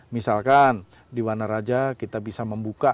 misalkan di wanaraja kita bisa membuka